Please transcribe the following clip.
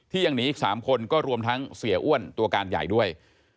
ยังหนีอีก๓คนก็รวมทั้งเสียอ้วนตัวการใหญ่ด้วย